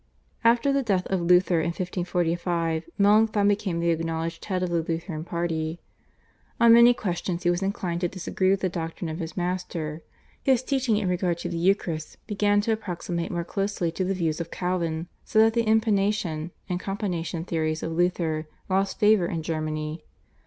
After the death of Luther in 1545 Melanchthon became the acknowledged head of the Lutheran party. On many questions he was inclined to disagree with the doctrine of his master. His teaching in regard to the Eucharist began to approximate more closely to the views of Calvin, so that the Impanation and Companation theories of Luther lost favour in Germany.